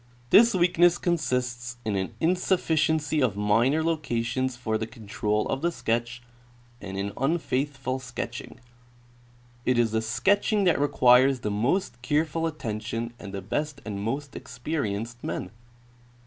This weakness consists in an insuffi ciency of minor locations for the control of the sketch and in unfaithful sketching. It is the sketching that requires the most careful attention and the best and most experienced men.